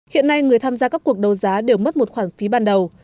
hiện nay người tham gia các cuộc đấu giá đều mất một khoản phí ban đầu